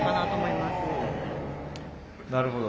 なるほど。